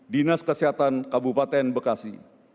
dinas kesehatan kabupaten bekasi